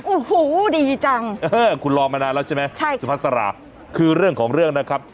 โอ้โหดีจังเออคุณรอมานานแล้วใช่ไหมใช่สุภาษาคือเรื่องของเรื่องนะครับ